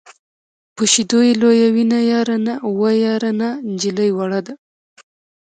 په شیدو یې لویوینه یاره نا وه یاره نا نجلۍ وړه ده.